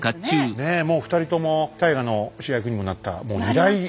ねえもう２人とも大河の主役にもなった